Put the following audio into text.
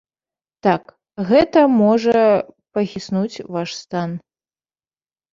Так, гэта можа пахіснуць ваш стан.